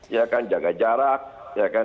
ya kan jaga jarak ya kan